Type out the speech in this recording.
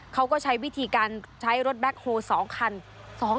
เขาก็ใช้วิธีการใช้รถแบ็คโฮ๒คัน